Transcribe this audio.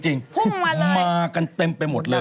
พุ่งมาเลยมากันเต็มไปหมดเลย